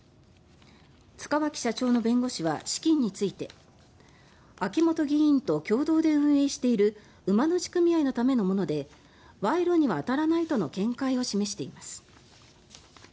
塚脇社長の弁護士は資金について秋本議員と共同で運営している馬主組合のためのもので賄賂には当たらないとの見解を示しています。